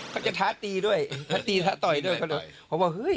เขาจะท้าตีด้วยเขาจะตีท้าต่อยด้วย